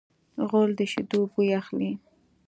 غول د شیدو بوی اخلي.